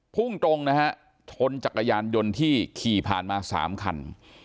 พุ่งตรงนะฮะชนจักรยานยนต์ที่ขี่ผ่านมา๓คัน